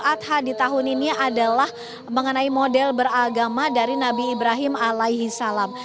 idha di tahun ini adalah mengenai model beragama dari nabi ibrahim alaihi salam